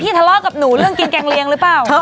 ทะเลาะกับหนูเรื่องกินแกงเลียงหรือเปล่า